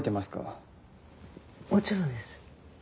もちろんです。